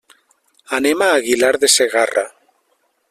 Anem a Aguilar de Segarra.